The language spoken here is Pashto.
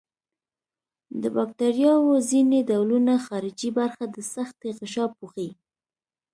د باکتریاوو ځینې ډولونه خارجي برخه د سختې غشا پوښي.